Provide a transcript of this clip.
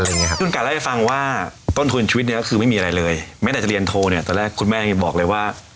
คุณกัดเล่าให้ฟังว่าต้นทุนชีวิตนี้ก็คือไม่มีอะไรเลยแม้แต่จะเรียนโทรเนี่ยตอนแรกคุณแม่ยังบอกเลยว่า